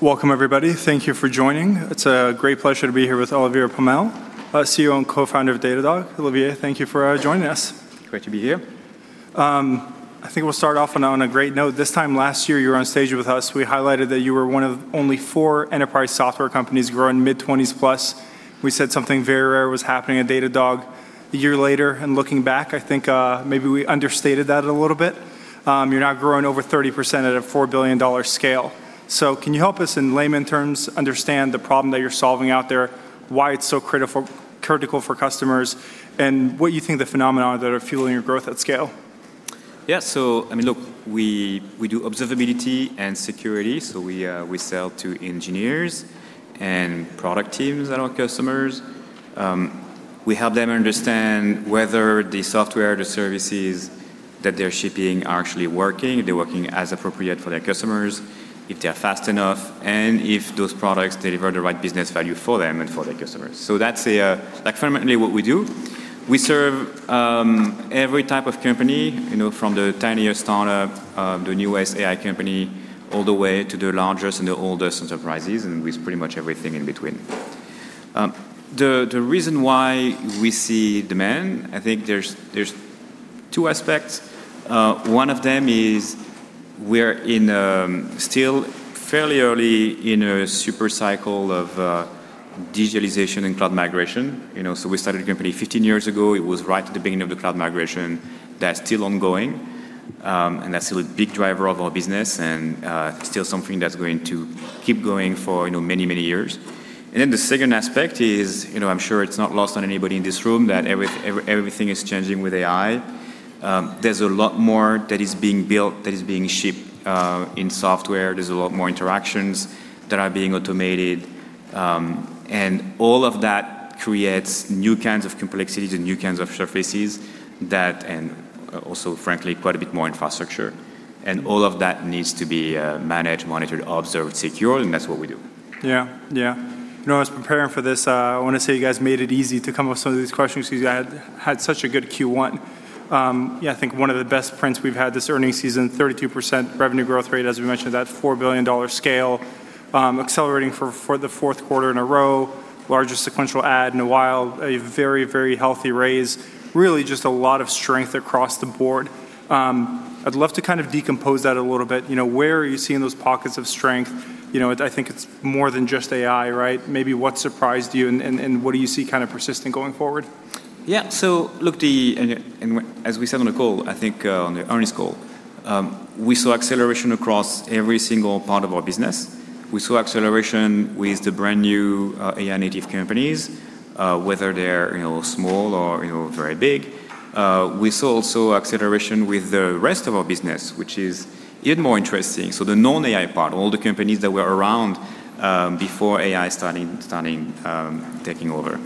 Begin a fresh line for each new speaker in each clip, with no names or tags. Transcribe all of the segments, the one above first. Welcome everybody. Thank you for joining. It's a great pleasure to be here with Olivier Pomel, CEO and co-founder of Datadog. Olivier, thank you for joining us.
Great to be here.
I think we'll start off on a, on a great note. This time last year, you were on stage with us. We highlighted that you were one of only four enterprise software companies growing mid-20s plus. We said something very rare was happening at Datadog. A year later, looking back, I think, maybe we understated that a little bit. You're now growing over 30% at a $4 billion scale. Can you help us in layman terms understand the problem that you're solving out there, why it's so critical for customers, and what you think the phenomena that are fueling your growth at scale?
I mean, look, we do observability and security, we sell to engineers and product teams that are customers. We help them understand whether the software, the services that they're shipping are actually working, they're working as appropriate for their customers, if they're fast enough, and if those products deliver the right business value for them and for their customers. That's like fundamentally what we do. We serve every type of company, you know, from the tiniest startup, the newest AI company, all the way to the largest and the oldest enterprises, with pretty much everything in between. The reason why we see demand, I think there's two aspects. One of them is we're in still fairly early in a super cycle of digitalization and cloud migration. You know, we started the company 15 years ago. It was right at the beginning of the cloud migration. That's still ongoing, and that's still a big driver of our business and still something that's going to keep going for, you know, many, many years. Then the second aspect is, you know, I'm sure it's not lost on anybody in this room that everything is changing with AI. There's a lot more that is being built, that is being shipped in software. There's a lot more interactions that are being automated. All of that creates new kinds of complexities and new kinds of surfaces that and also frankly, quite a bit more infrastructure. All of that needs to be managed, monitored, observed, secured, and that's what we do.
Yeah. Yeah. You know, I want to say you guys made it easy to come up with some of these questions because you had such a good Q1. Yeah, I think one of the best prints we've had this earnings season, 32% revenue growth rate, as we mentioned, that $4 billion scale, accelerating for the fourth quarter in a row, largest sequential ad in a while. A very healthy raise. Really just a lot of strength across the board. I'd love to kind of decompose that a little bit. You know, where are you seeing those pockets of strength? You know, I think it's more than just AI, right? Maybe what surprised you and what do you see kind of persisting going forward?
As we said on the call, I think, on the earnings call, we saw acceleration across every single part of our business. We saw acceleration with the brand-new AI-native companies, whether they're, you know, small or, you know, very big. We saw also acceleration with the rest of our business, which is even more interesting. The non-AI part, all the companies that were around before AI starting taking over.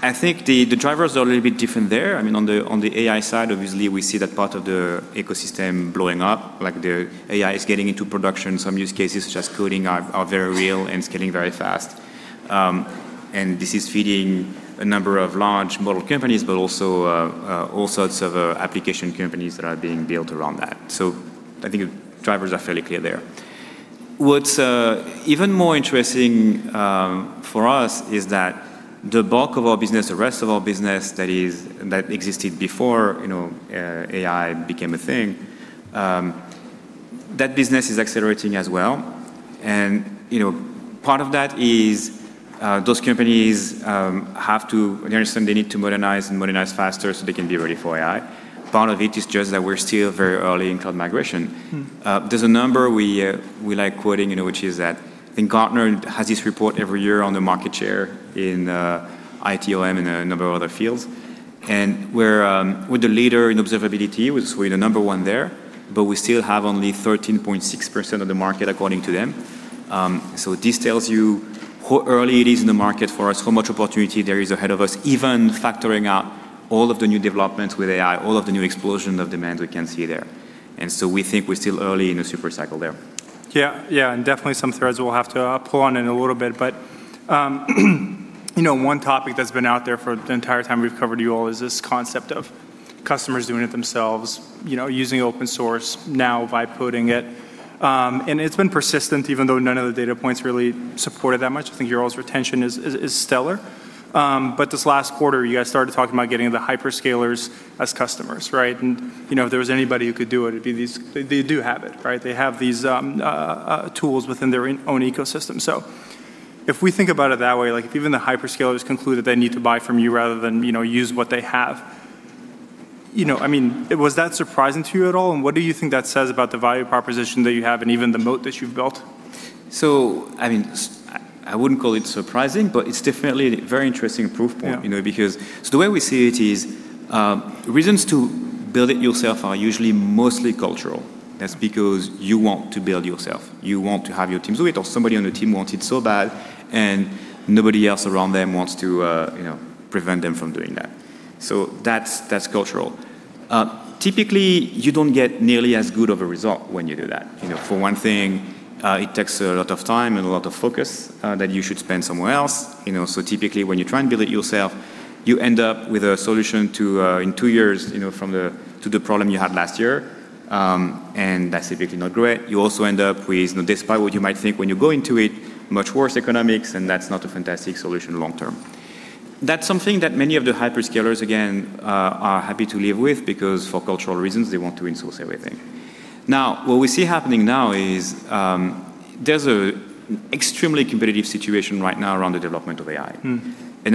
I think the drivers are a little bit different there. I mean, on the AI side, obviously we see that part of the ecosystem blowing up, like the AI is getting into production. Some use cases, such as coding are very real and scaling very fast. This is feeding a number of large model companies, but also all sorts of application companies that are being built around that. I think drivers are fairly clear there. What's even more interesting for us is that the bulk of our business, the rest of our business that is, that existed before, you know, AI became a thing, that business is accelerating as well. You know, part of that is those companies have to understand they need to modernize and modernize faster so they can be ready for AI. Part of it is just that we're still very early in cloud migration. There's a number we like quoting, you know, which is that I think Gartner has this report every year on the market share in ITOM and a number of other fields. We're the leader in observability. We're the number one there, but we still have only 13.6% of the market according to them. This tells you how early it is in the market for us, how much opportunity there is ahead of us, even factoring out all of the new developments with AI, all of the new explosion of demand we can see there. We think we're still early in a super cycle there.
Yeah. Yeah, definitely some threads we'll have to pull on in a little bit. You know, one topic that's been out there for the entire time we've covered you all is this concept of customers doing it themselves, you know, using open source now by putting it. It's been persistent even though none of the data points really supported that much. I think your all's retention is stellar. This last quarter, you guys started talking about getting the hyperscalers as customers, right? You know, if there was anybody who could do it'd be these, they do have it, right? They have these tools within their own ecosystem. If we think about it that way, like if even the hyperscalers conclude that they need to buy from you rather than, you know, use what they have, you know, I mean, was that surprising to you at all? What do you think that says about the value proposition that you have and even the moat that you've built?
I mean, I wouldn't call it surprising, but it's definitely a very interesting proof point.
Yeah.
You know, because the way we see it is, reasons to build it yourself are usually mostly cultural. That's because you want to build yourself. You want to have your team do it, or somebody on the team wants it so bad, and nobody else around them wants to, you know, prevent them from doing that. That's cultural. Typically, you don't get nearly as good of a result when you do that. You know, for one thing, it takes a lot of time and a lot of focus that you should spend somewhere else. You know, typically when you try and build it yourself, you end up with a solution to, in two years, you know, from the, to the problem you had last year. That's typically not great. You also end up with, despite what you might think when you go into it, much worse economics. That's not a fantastic solution long term. That's something that many of the hyperscalers, again, are happy to live with because for cultural reasons they want to insource everything. What we see happening now is, there’s an extremely competitive situation right now around the development of AI.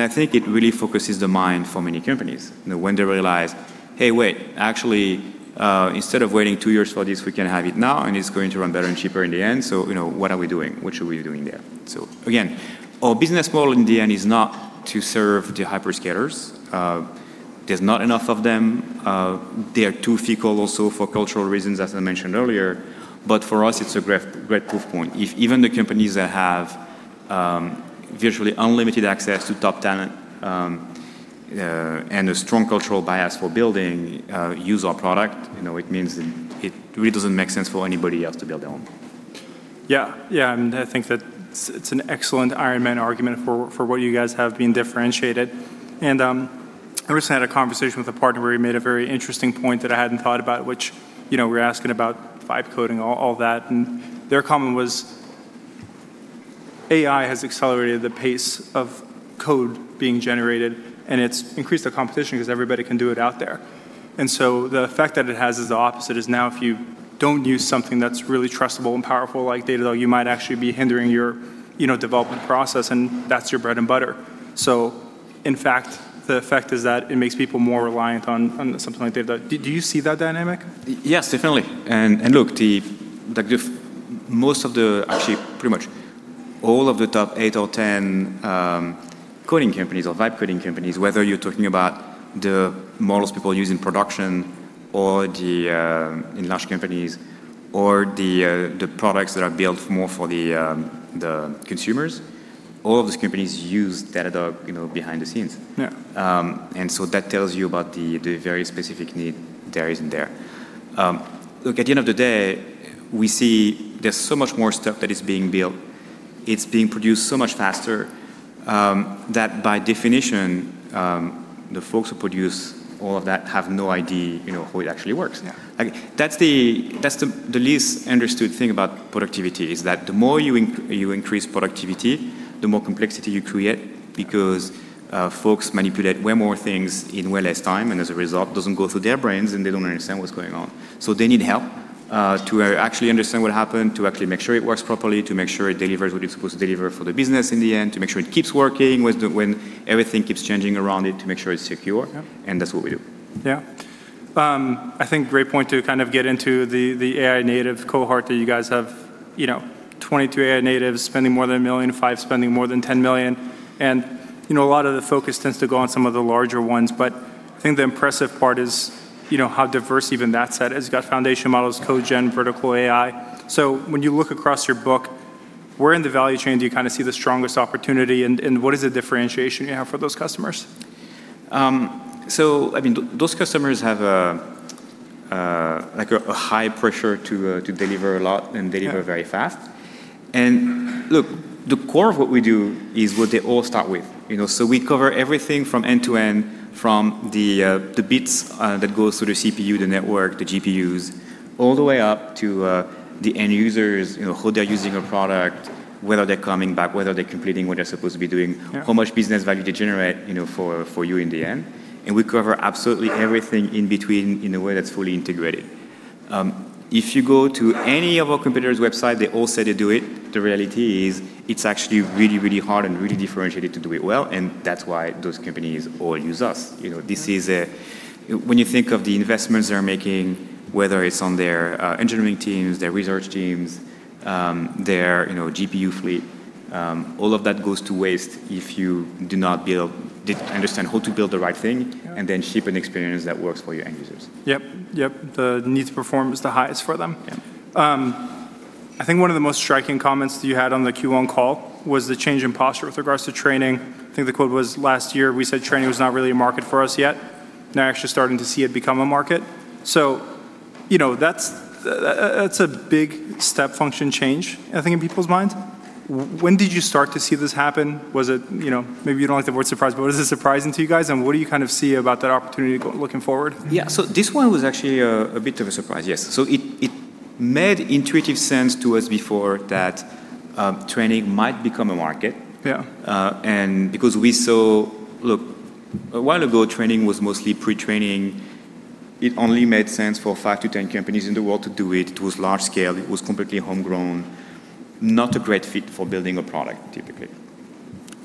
I think it really focuses the mind for many companies. You know, when they realize, hey, wait, actually, instead of waiting two years for this, we can have it now, and it's going to run better and cheaper in the end. You know, what are we doing? What should we be doing there? Again, our business model in the end is not to serve the hyperscalers. There's not enough of them. They are too fickle also for cultural reasons, as I mentioned earlier. For us, it's a great proof point. If even the companies that have virtually unlimited access to top talent, and a strong cultural bias for building, use our product, you know, it means that it really doesn't make sense for anybody else to build their own.
Yeah. Yeah, I think that it's an excellent Iron Man argument for what you guys have being differentiated. I recently had a conversation with a partner where he made a very interesting point that I hadn't thought about, which, you know, we're asking about vibe coding, all that, their comment was AI has accelerated the pace of code being generated, it's increased the competition because everybody can do it out there. The effect that it has is the opposite, is now if you don't use something that's really trustable and powerful like Datadog, you might actually be hindering your, you know, development process, that's your bread and butter. In fact, the effect is that it makes people more reliant on something like Datadog. Do you see that dynamic?
Yes, definitely. Look, the, like most of the. Actually, pretty much all of the top eight or 10 coding companies or vibe coding companies, whether you're talking about the models people use in production or the in large companies or the products that are built more for the consumers, all of these companies use Datadog, you know, behind the scenes.
Yeah.
That tells you about the very specific need there is in there. Look, at the end of the day, we see there's so much more stuff that is being built. It's being produced so much faster, that by definition, the folks who produce all of that have no idea, you know, how it actually works.
Yeah.
Like, that's the least understood thing about productivity, is that the more you increase productivity, the more complexity you create because folks manipulate way more things in way less time, and as a result, doesn't go through their brains, and they don't understand what's going on. They need help to actually understand what happened, to actually make sure it works properly, to make sure it delivers what it's supposed to deliver for the business in the end, to make sure it keeps working with the when everything keeps changing around it, to make sure it's secure.
Yeah.
That's what we do.
I think great point to kind of get into the AI-native cohort that you guys have. You know, 22 AI-natives spending more than $1 million, five spending more than $10 million. You know, a lot of the focus tends to go on some of the larger ones, but I think the impressive part is, you know, how diverse even that set is. It's got foundation models, code gen, vertical AI. When you look across your book, where in the value chain do you kinda see the strongest opportunity, and what is the differentiation you have for those customers?
I mean, those customers have a like a high pressure to deliver a lot and deliver very fast. Look, the core of what we do is what they all start with, you know? We cover everything from end to end, from the bits that goes through the CPU, the network, the GPUs, all the way up to the end users, you know, how they're using a product, whether they're coming back, whether they're completing what they're supposed to be doing, how much business value they generate, you know, for you in the end. We cover absolutely everything in between in a way that's fully integrated. If you go to any of our competitors' website, they all say they do it. The reality is it's actually really, really hard and really differentiated to do it well, and that's why those companies all use us. You know, when you think of the investments they're making, whether it's on their engineering teams, their research teams, their, you know, GPU fleet, all of that goes to waste if you do not understand how to build the right thing. Then ship an experience that works for your end users.
The need to perform is the highest for them.
Yeah.
I think one of the most striking comments that you had on the Q1 call was the change in posture with regards to training. I think the quote was, "Last year we said training was not really a market for us yet. Now we're actually starting to see it become a market." You know, that's a big step function change, I think, in people's minds. When did you start to see this happen? Was it, you know, maybe you don't like the word surprise, but was this surprising to you guys, and what do you kind of see about that opportunity looking forward?
This one was actually a bit of a surprise, yes. It made intuitive sense to us before that training might become a market.
Yeah.
Because we saw, look, a while ago, training was mostly pre-training. It only made sense for 5-10 companies in the world to do it. It was large scale. It was completely homegrown. Not a great fit for building a product, typically.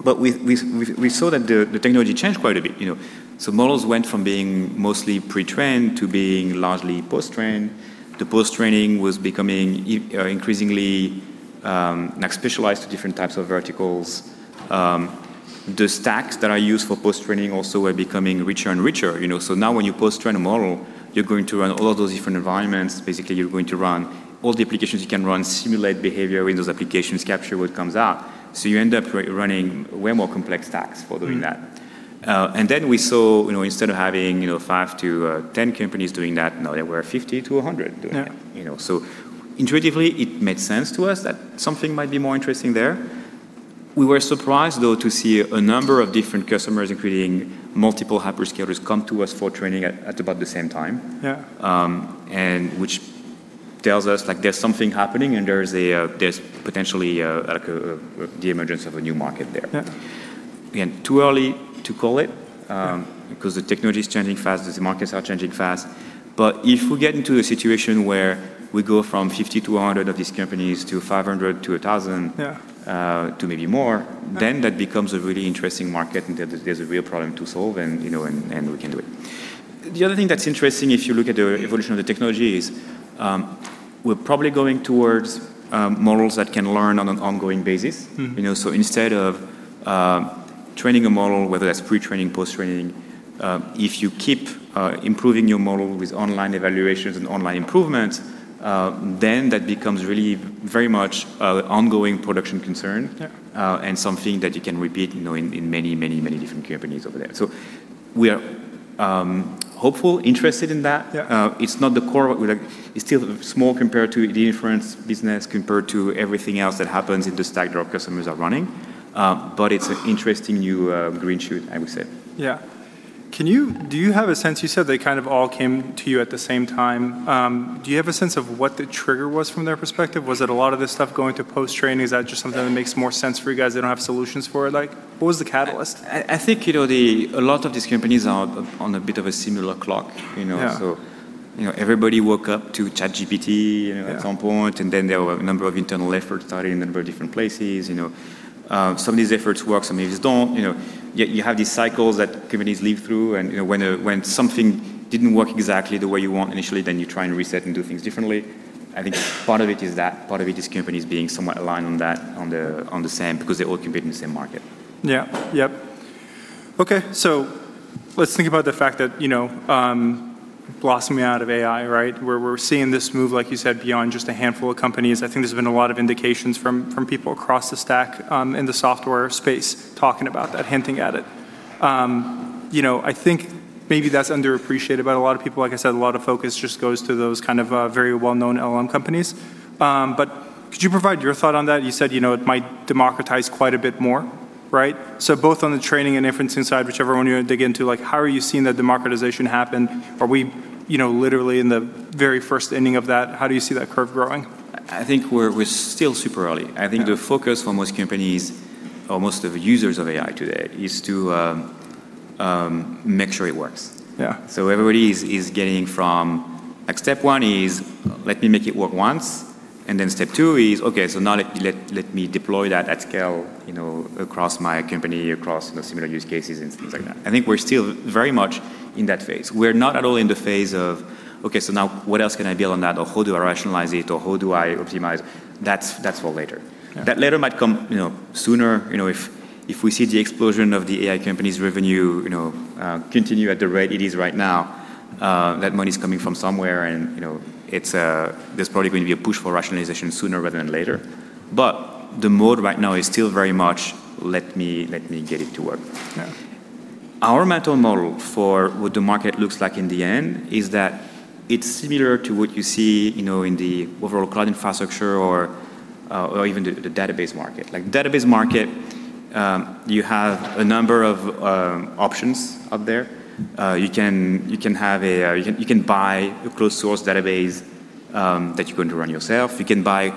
We saw that the technology changed quite a bit. You know, models went from being mostly pre-trained to being largely post-trained. The post-training was becoming increasingly, like specialized to different types of verticals. The stacks that are used for post-training also are becoming richer and richer. You know, now when you post-train a model, you're going to run all of those different environments. Basically, you're going to run all the applications you can run, simulate behavior in those applications, capture what comes out. You end up running way more complex stacks for doing that. Then we saw, you know, instead of having, you know, 5-10 companies doing that, now there were 50-100 doing that.
Yeah.
You know, intuitively it made sense to us that something might be more interesting there. We were surprised, though, to see a number of different customers, including multiple hyperscalers, come to us for training at about the same time.
Yeah.
Which tells us like there's something happening and there is a, there's potentially, like a, the emergence of a new market there.
Yeah.
Again, too early to call it because the technology's changing fast, the markets are changing fast. If we get into a situation where we go from 50-100 of these companies to 500-1,000 to maybe more then that becomes a really interesting market and there's a real problem to solve and, you know, and we can do it. The other thing that's interesting if you look at the evolution of the technology is, we're probably going towards models that can learn on an ongoing basis. You know, instead of training a model, whether that's pre-training, post-training, if you keep improving your model with online evaluations and online improvements, that becomes really very much an ongoing production concern.
Yeah.
Something that you can repeat, you know, in many different companies over there. We are hopeful, interested in that.
Yeah.
It's not the core, like, it's still small compared to the inference business, compared to everything else that happens in the stack Datadog customers are running. It's an interesting new green shoot, I would say.
Do you have a sense You said they kind of all came to you at the same time. Do you have a sense of what the trigger was from their perspective? Was it a lot of this stuff going to post-training? Is that just something that makes more sense for you guys, they don't have solutions for it? Like, what was the catalyst?
I think, you know, a lot of these companies are on a bit of a similar clock, you know?
Yeah.
You know, everybody woke up to ChatGPT at some point, and then there were a number of internal efforts started in a number of different places. You know, some of these efforts work, some of these don't, you know. You have these cycles that companies live through and, you know, when something didn't work exactly the way you want initially, then you try and reset and do things differently. I think part of it is that. Part of it is companies being somewhat aligned on that, on the same because they all compete in the same market.
Yep. Okay. Let's think about the fact that, you know, blossoming out of AI, right? Where we're seeing this move, like you said, beyond just a handful of companies. I think there's been a lot of indications from people across the stack in the software space talking about that, hinting at it. You know, I think maybe that's underappreciated by a lot of people. Like I said, a lot of focus just goes to those kind of very well-known LLM companies. Could you provide your thought on that? You said, you know, it might democratize quite a bit more, right? Both on the training and inferencing side, whichever one you want to dig into, like how are you seeing that democratization happen? Are we, you know, literally in the very first inning of that? How do you see that curve growing?
I think we're still super early. I think the focus for most companies or most of the users of AI today is to make sure it works.
Yeah.
Everybody is getting from, like step one is let me make it work once, and then step two is, okay, so now let me deploy that at scale, you know, across my company, across, you know, similar use cases and things like that. I think we're still very much in that phase. We're not at all in the phase of, okay, so now what else can I build on that? How do I rationalize it? How do I optimize? That's for later.
Yeah.
That later might come, you know, sooner, you know, if we see the explosion of the AI company's revenue, you know, continue at the rate it is right now. That money's coming from somewhere and, you know, it's, there's probably going to be a push for rationalization sooner rather than later. The mode right now is still very much let me get it to work.
Yeah.
Our mental model for what the market looks like in the end is that it's similar to what you see, you know, in the overall cloud infrastructure or even the database market. Like database market, you have a number of options out there. You can have a, you can buy a closed source database that you're going to run yourself. You can buy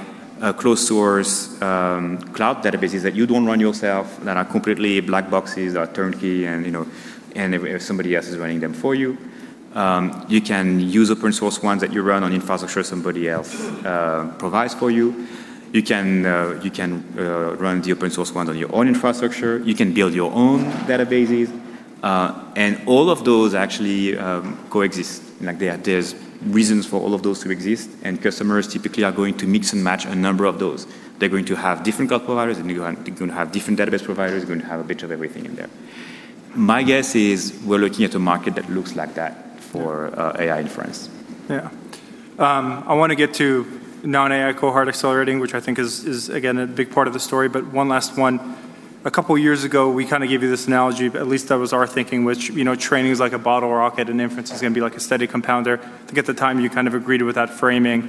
closed source cloud databases that you don't run yourself that are completely black boxes or turnkey and, you know, and if somebody else is running them for you. You can use open source ones that you run on infrastructure somebody else provides for you. You can run the open source ones on your own infrastructure. You can build your own databases. All of those actually coexist. There's reasons for all of those to exist, and customers typically are going to mix and match a number of those. They're going to have different cloud providers, they're going to have different database providers. They're going to have a bit of everything in there. My guess is we're looking at a market that looks like that for AI inference.
I wanna get to non-AI cohort accelerating, which I think is again, a big part of the story but one last one. A couple years ago, we kind of gave you this analogy, at least that was our thinking, which, you know, training is like a bottle rocket and inference is gonna be like a steady compounder. I think at the time you kind of agreed with that framing.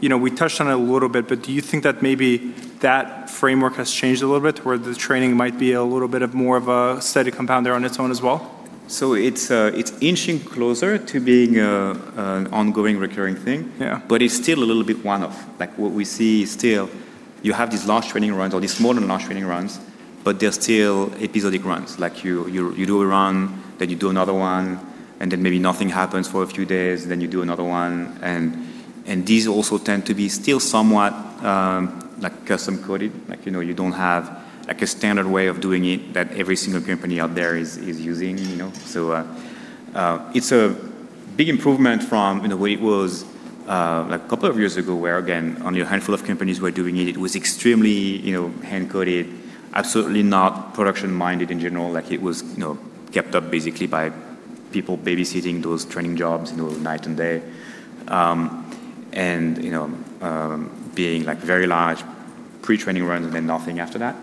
You know, we touched on it a little bit, but do you think that maybe that framework has changed a little bit where the training might be a little bit of more of a steady compounder on its own as well?
It's inching closer to being an ongoing recurring thing.
Yeah.
It's still a little bit one-off. Like what we see still, you have these large training runs or these small and large training runs, but they're still episodic runs. Like you do a run, then you do another one, and then maybe nothing happens for a few days, then you do another one. These also tend to be still somewhat, like custom coded. Like, you know, you don't have like a standard way of doing it that every single company out there is using, you know? It's a big improvement from the way it was, like a couple of years ago where again, only a handful of companies were doing it. It was extremely, you know, hand-coded. Absolutely not production-minded in general. Like it was, you know, kept up basically by people babysitting those training jobs, you know, night and day. You know, being like very large pre-training runs and then nothing after that.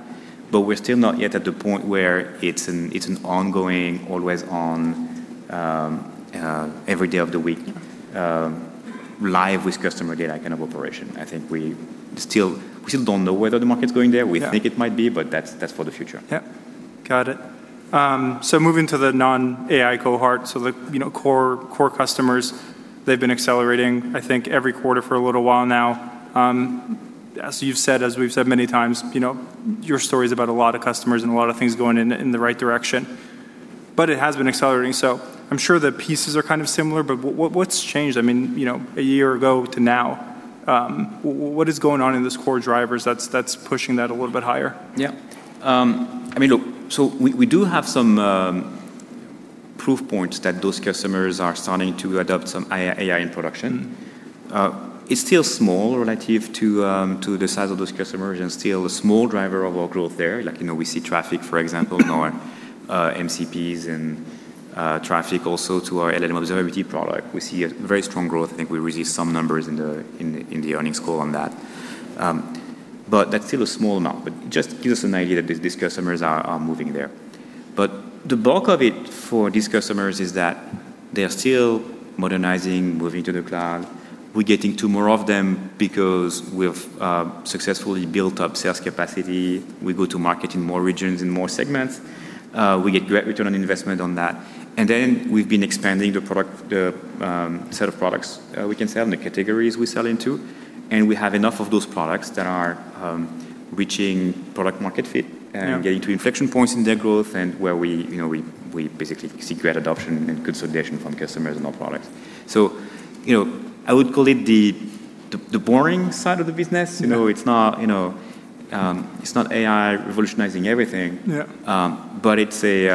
We're still not yet at the point where it's an, it's an ongoing, always on, every day of the week. Live with customer data kind of operation. I think we still don't know whether the market's going there. We think it might be, but that's for the future.
Got it. Moving to the non-AI cohort, the, you know, core customers, they've been accelerating, I think, every quarter for a little while now. As you've said, as we've said many times, you know, your story's about a lot of customers and a lot of things going in the right direction. It has been accelerating, so I'm sure the pieces are kind of similar, but what's changed? I mean, you know, a year ago to now, what is going on in those core drivers that's pushing that a little bit higher?
I mean, look, we do have some proof points that those customers are starting to adopt some AI in production. It's still small relative to the size of those customers and still a small driver of our growth there. You know, we see traffic, for example, in our MCPs and traffic also to our LLM Observability product. We see a very strong growth. I think we release some numbers in the earnings call on that. That's still a small amount, just gives us an idea that these customers are moving there. The bulk of it for these customers is that they're still modernizing, moving to the cloud. We're getting to more of them because we have successfully built up sales capacity. We go to market in more regions and more segments. We get great return on investment on that. We've been expanding the product, the set of products we can sell and the categories we sell into, and we have enough of those products that are reaching product market fit. Getting to inflection points in their growth and where we, you know, we basically see great adoption and consolidation from customers in our products. You know, I would call it the boring side of the business. You know, it's not, you know, it's not AI revolutionizing everything.
Yeah.
But it's a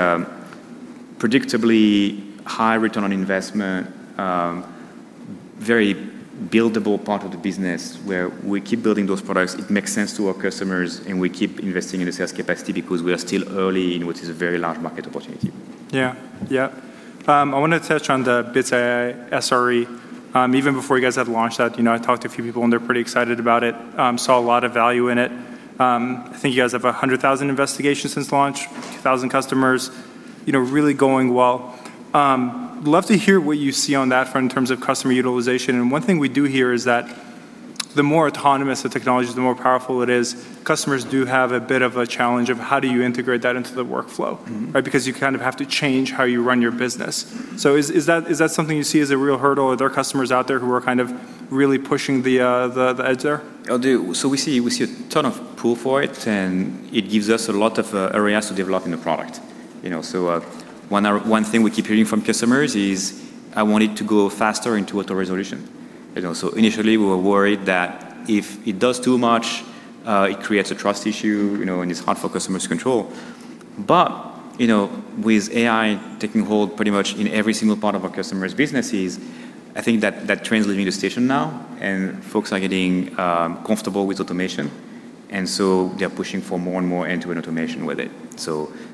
predictably high return on investment, very buildable part of the business where we keep building those products. It makes sense to our customers, we keep investing in the sales capacity because we are still early in what is a very large market opportunity.
I wanna touch on the Bits AI SRE. Even before you guys had launched that, you know, I talked to a few people and they're pretty excited about it. Saw a lot of value in it. I think you guys have 100,000 investigations since launch, 2,000 customers, you know, really going well. Love to hear what you see on that front in terms of customer utilization, and one thing we do hear is that the more autonomous the technology is, the more powerful it is, customers do have a bit of a challenge of how do you integrate that into the workflow. Right? You kind of have to change how you run your business. Is that something you see as a real hurdle? Are there customers out there who are kind of really pushing the edge there?
I do. We see a ton of pull for it, and it gives us a lot of areas to develop in the product. You know, one thing we keep hearing from customers is, "I want it to go faster into auto-resolution." You know, initially we were worried that if it does too much, it creates a trust issue, you know, and it's hard for customers to control. You know, with AI taking hold pretty much in every single part of our customers' businesses, I think that train's leaving the station now, and folks are getting comfortable with automation, they're pushing for more and more end-to-end automation with it.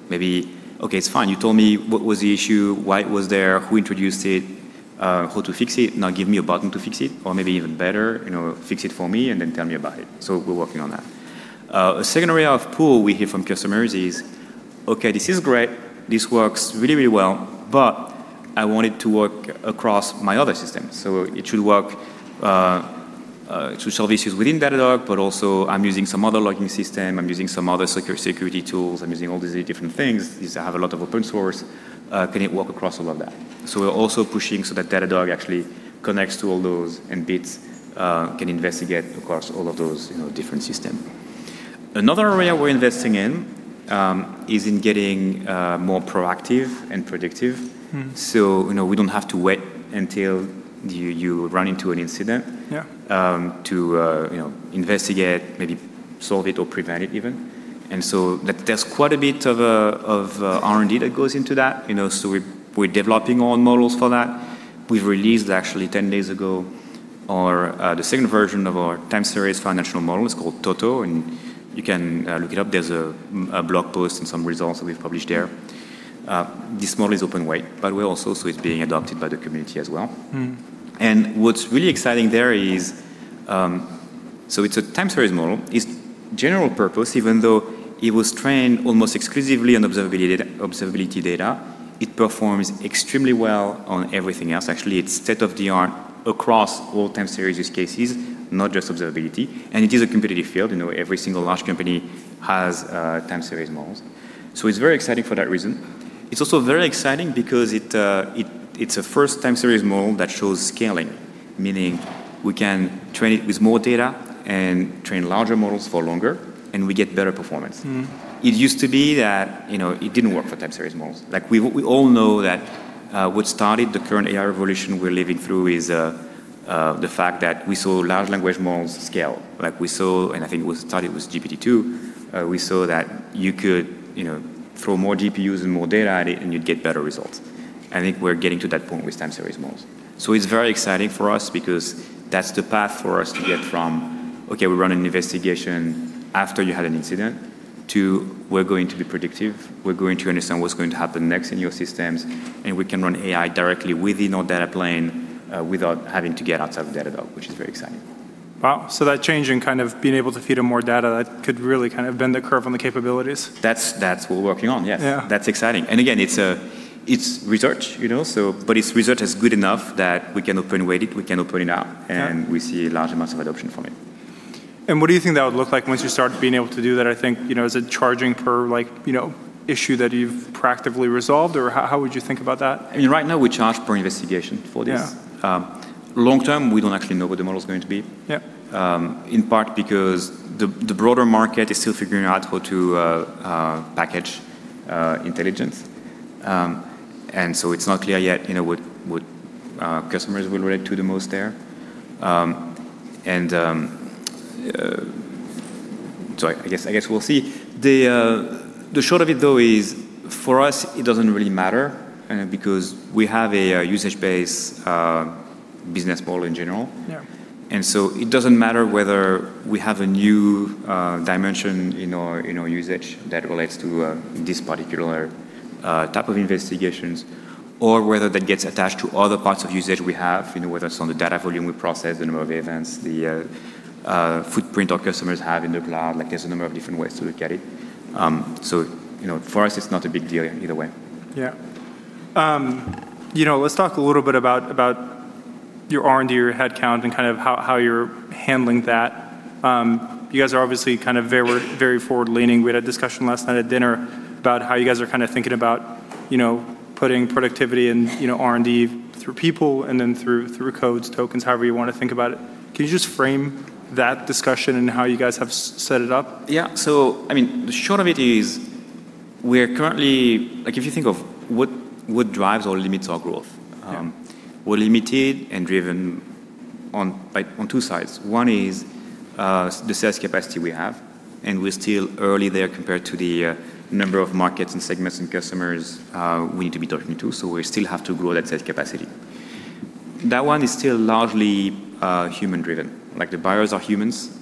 Maybe, okay, it's fine. You told me what was the issue, why it was there, who introduced it, how to fix it. Give me a button to fix it, or maybe even better, you know, fix it for me and then tell me about it. We're working on that. A second area of pull we hear from customers is, "Okay, this is great. This works really, really well, but I want it to work across my other systems." It should work to solve issues within Datadog, but also I'm using some other logging system. I'm using some other security tools. I'm using all these different things, is I have a lot of open source. Can it work across all of that? We're also pushing so that Datadog actually connects to all those, and Bits can investigate across all of those, you know, different system. Another area we're investing in, is in getting more proactive and predictive. You know, we don't have to wait until you run into an incident.
Yeah.
To, you know, investigate, maybe solve it or prevent it even. Like there's quite a bit of R&D that goes into that, you know. We're, we're developing our own models for that. We've released actually 10 days ago our the second version of our time series foundation model. It's called Toto, and you can look it up. There's a blog post and some results that we've published there. This model is open weight, but we're also, so it's being adopted by the community as well. What's really exciting there is, it's a time series model. It's general purpose, even though it was trained almost exclusively on observability data, it performs extremely well on everything else. Actually, it's state-of-the-art across all time series use cases, not just observability, it is a competitive field. You know, every single large company has time series models. It's very exciting for that reason. It's also very exciting because it's a first time series model that shows scaling, meaning we can train it with more data and train larger models for longer, we get better performance. It used to be that, you know, it didn't work for time series models. We all know that what started the current AI revolution we're living through is the fact that we saw large language models scale. We saw, and I think it was, started with GPT-2, we saw that you could, you know, throw more GPUs and more data at it, and you'd get better results. I think we’re getting to that point. It's very exciting for us because that's the path for us to get from, okay, we run one investigation after you had an incident to we're going to be predictive. We're going to understand what's going to happen next in your systems, and we can run AI directly within our data plane, without having to get outside of Datadog, which is very exciting.
Wow. That change in kind of being able to feed in more data, that could really kind of bend the curve on the capabilities.
That's what we're working on, yes.
Yeah.
That's exciting. And again, it's research, you know, but its research is good enough that we can open weight it. We can open it up.
Yeah.
We see large amounts of adoption from it.
What do you think that would look like once you start being able to do that? I think, you know, is it charging per, like, you know, issue that you've proactively resolved? Or how would you think about that?
I mean, right now we charge per investigation for this.
Yeah.
Long term, we don't actually know what the model's going to be.
Yeah.
In part because the broader market is still figuring out how to package intelligence. It's not clear yet, you know, what customers will relate to the most there. I guess we'll see. The short of it though is for us it doesn't really matter because we have a usage-based business model in general.
Yeah.
It doesn't matter whether we have a new dimension in our usage that relates to this particular type of investigations or whether that gets attached to other parts of usage we have, you know, whether it's on the data volume we process, the number of events, the footprint our customers have in the cloud. Like, there's a number of different ways to look at it. You know, for us it's not a big deal either way.
You know, let's talk a little bit about your R&D, your head count, and kind of how you're handling that. You guys are obviously kind of very forward-leaning. We had a discussion last night at dinner about how you guys are kind of thinking about, you know, putting productivity and, you know, R&D through people and then through codes, tokens, however you wanna think about it. Can you just frame that discussion and how you guys have set it up?
I mean, the short of it is we're currently. Like, if you think of what drives or limits our growth.
Yeah.
We're limited and driven on, like, on two sides. One is, the sales capacity we have, and we're still early there compared to the number of markets and segments and customers, we need to be talking to. We still have to grow that sales capacity. That one is still largely human driven, like the buyers are humans.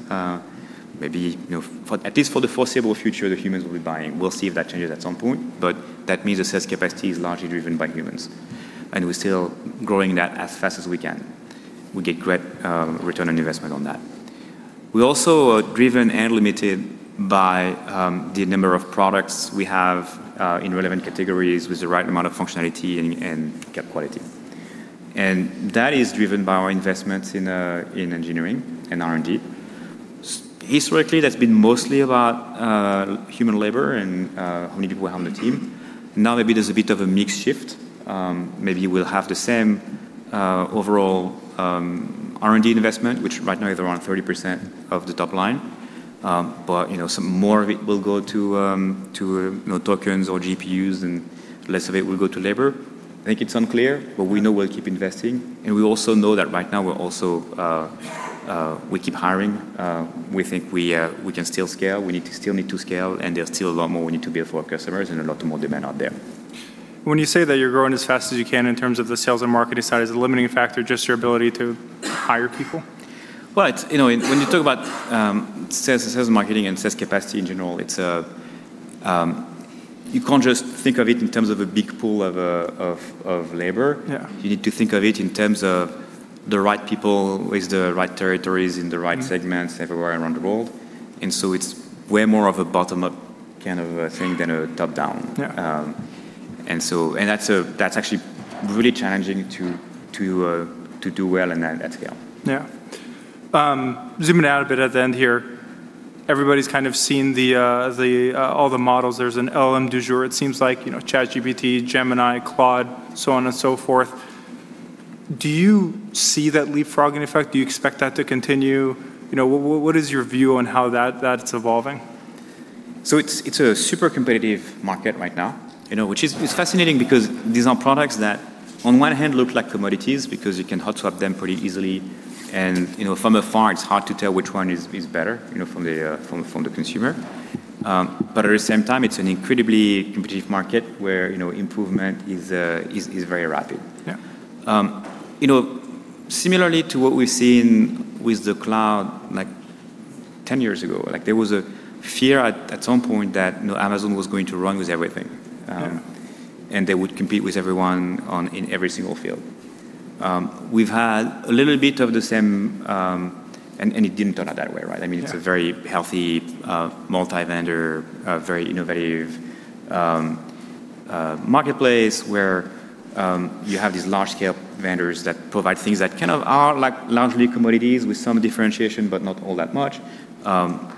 Maybe, you know, for, at least for the foreseeable future the humans will be buying. We'll see if that changes at some point, but that means the sales capacity is largely driven by humans, and we're still growing that as fast as we can. We get great return on investment on that. We're also driven and limited by the number of products we have in relevant categories with the right amount of functionality and get quality, and that is driven by our investments in engineering and R&D. Historically, that's been mostly about human labor and how many people are on the team. Now, maybe there's a bit of a mix shift. Maybe we'll have the same overall R&D investment, which right now is around 30% of the top line. You know, some more of it will go to, you know, tokens or GPUs, and less of it will go to labor. I think it's unclear, but we know we'll keep investing, and we also know that right now we're also we keep hiring. We think we can still scale. Still need to scale. There's still a lot more we need to build for our customers and a lot more demand out there.
When you say that you're growing as fast as you can in terms of the sales and marketing side, is the limiting factor just your ability to hire people?
Well, it's, you know, when you talk about sales marketing, and sales capacity in general, it's, you can't just think of it in terms of a big pool of labor.
Yeah.
You need to think of it in terms of the right people with the right territories in the right segments everywhere around the world. It's way more of a bottom-up kind of a thing than a top-down.
Yeah.
That's actually really challenging to do well and at scale.
Zooming out a bit at the end here, everybody's kind of seen the all the models. There's an LLM du jour it seems like, you know, ChatGPT, Gemini, Claude, so on and so forth. Do you see that leapfrogging effect? Do you expect that to continue? You know, what is your view on how that's evolving?
It's a super competitive market right now, you know, which is fascinating because these are products that on one hand look like commodities because you can hot swap them pretty easily, and, you know, from afar it's hard to tell which one is better, you know, from the consumer. At the same time, it's an incredibly competitive market where, you know, improvement is very rapid.
Yeah.
You know, similarly to what we've seen with the cloud, like, 10 years ago, like, there was a fear at some point that, you know, Amazon was going to run with everything.
Yeah.
They would compete with everyone on, in every single field. We've had a little bit of the same, and it didn't turn out that way, right?
Yeah.
I mean, it's a very healthy, multi-vendor, very innovative, marketplace where, you have these large scale vendors that provide things that kind of are, like, largely commodities with some differentiation but not all that much.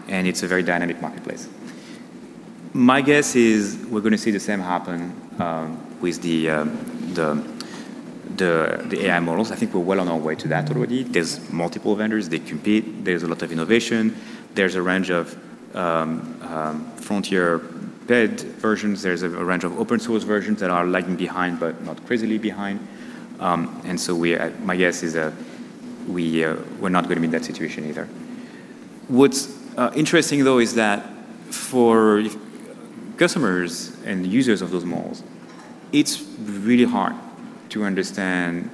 It's a very dynamic marketplace. My guess is we're gonna see the same happen with the, the AI models. I think we're well on our way to that already. There's multiple vendors. They compete. There's a lot of innovation. There's a range of frontier paid versions. There's a range of open source versions that are lagging behind but not crazily behind. We, my guess is that we're not gonna be in that situation either. What's interesting though is that for customers and users of those models, it's really hard to understand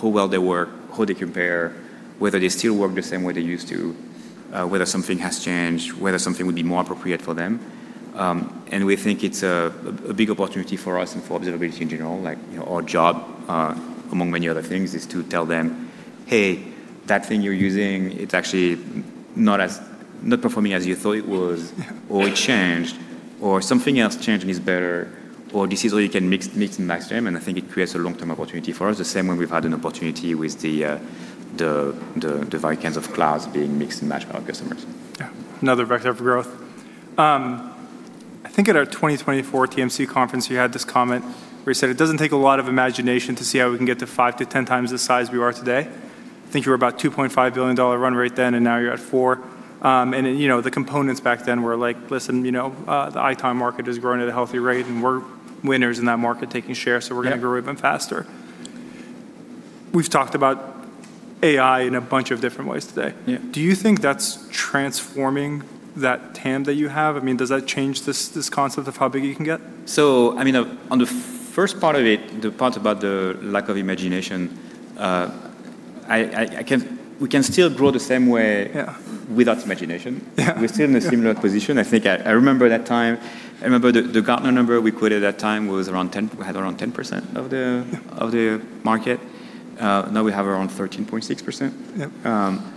how well they work, how they compare, whether they still work the same way they used to, whether something has changed, whether something would be more appropriate for them. We think it's a big opportunity for us and for observability in general. Like, you know, our job, among many other things, is to tell them, "Hey, that thing you're using, it's actually not performing as you thought it was or it changed." Something else changes better, or this is where you can mix and match them. I think it creates a long-term opportunity for us. The same when we've had an opportunity with the various kinds of clouds being mixed and matched by our customers.
Another vector for growth. I think at our 2024 TMC conference, you had this comment where you said, "It doesn't take a lot of imagination to see how we can get to 5-10 times the size we are today." I think you were about $2.5 billion run rate then, and now you're at $4 billion. You know, the components back then were, listen, you know, the ITOM market is growing at a healthy rate, and we're winners in that market taking share. We're gonna grow even faster. We've talked about AI in a bunch of different ways today.
Yeah.
Do you think that's transforming that TAM that you have? I mean, does that change this concept of how big you can get?
I mean, on the first part of it, the part about the lack of imagination, We can still grow the same way without imagination.
Yeah.
We're still in a similar position. I think I remember that time. I remember the Gartner number we quoted at that time was around 10%, we had around 10% of the market. Now we have around 13.6%.
Yep.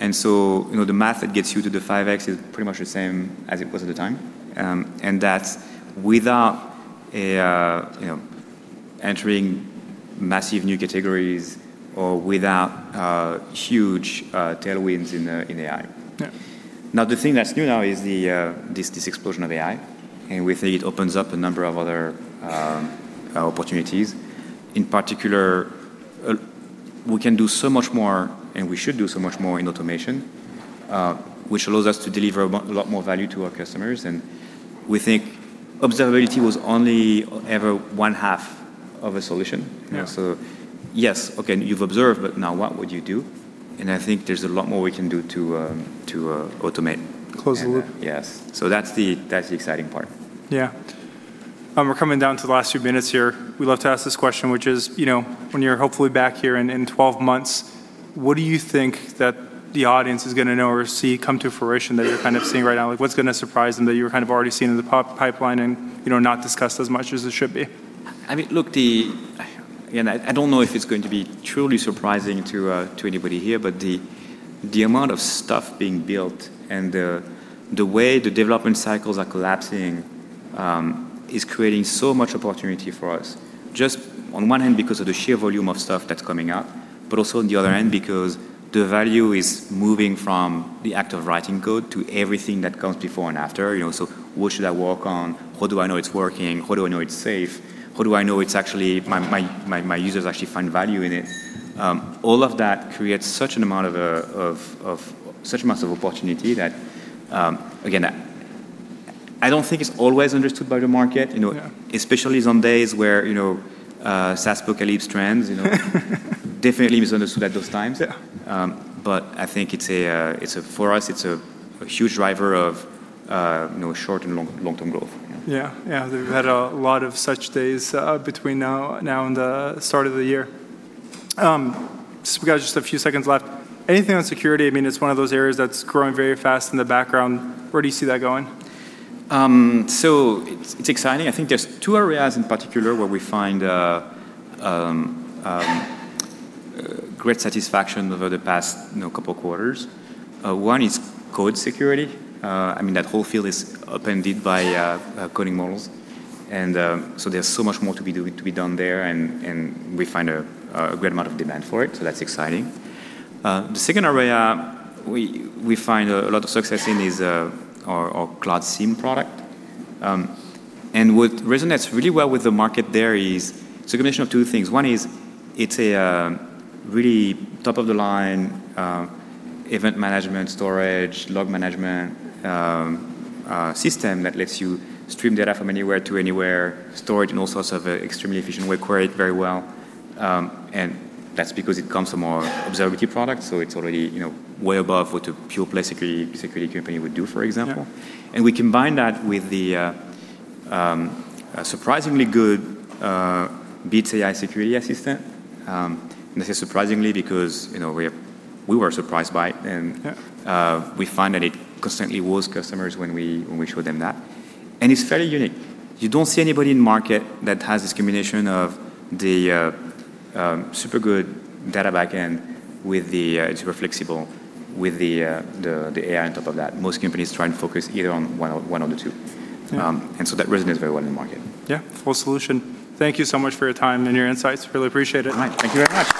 You know, the math that gets you to the 5x is pretty much the same as it was at the time. That's without you know, entering massive new categories or without huge tailwinds in AI.
Yeah.
The thing that's new now is this explosion of AI, and we think it opens up a number of other opportunities. In particular, we can do so much more, and we should do so much more in automation, which allows us to deliver a lot more value to our customers. We think observability was only ever 1/2 of a solution.
Yeah.
Yes, okay, you've observed, but now what would you do? I think there's a lot more we can do to automate.
Close the loop.
Yes. That's the exciting part.
We're coming down to the last few minutes here. We love to ask this question, which is, you know, when you're hopefully back here in 12 months, what do you think that the audience is gonna know or see come to fruition that you're kind of seeing right now? Like, what's gonna surprise them that you're kind of already seeing in the pipeline and, you know, not discussed as much as it should be?
I mean, look, again, I don't know if it's going to be truly surprising to anybody here, but the amount of stuff being built and the way the development cycles are collapsing is creating so much opportunity for us. On one hand because of the sheer volume of stuff that's coming up, but also on the other end because the value is moving from the act of writing code to everything that comes before and after. You know, what should I work on? How do I know it's working? How do I know it's safe? How do I know my users actually find value in it? All of that creates such an amount of such massive opportunity that again, I don't think it's always understood by the market, you know.
Yeah.
Especially on days where, you know, SaaS apocalypse trends, you know, definitely misunderstood at those times.
Yeah.
I think it's a, it's a, for us, it's a huge driver of, you know, short and long-term growth.
Yeah, we've had a lot of such days, between now and the start of the year. We got just a few seconds left. Anything on security? I mean, it's one of those areas that's growing very fast in the background. Where do you see that going?
It's exciting. I think there's two areas in particular where we find great satisfaction over the past, you know, couple quarters. One is code security. I mean, that whole field is upended by coding models. There's so much more to be done there, and we find a great amount of demand for it, that's exciting. The second area we find a lot of success in is our Cloud SIEM product. What resonates really well with the market there is it's a combination of two things. One is it's a really top-of-the-line event management storage, log management system that lets you stream data from anywhere to anywhere, storage and all sorts of extremely efficient way, query it very well. That's because it comes from our observability product, so it's already, you know, way above what a pure play security company would do, for example.
Yeah.
We combine that with the surprisingly good Bits AI security assistant. I say surprisingly because, you know, we were surprised by it.
Yeah.
We find that it constantly woos customers when we show them that. It's fairly unique. You don't see anybody in the market that has this combination of the super good data backend with the super flexible, with the AI on top of that. Most companies try and focus either on one of the two.
Yeah.
That resonates very well in the market.
Full solution. Thank you so much for your time and your insights. Really appreciate it.
All right. Thank you very much.